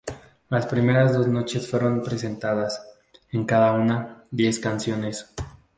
Las primeras dos noches fueron presentadas, en cada una, diez canciones.